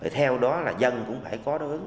theo đó là dân cũng phải có đối ứng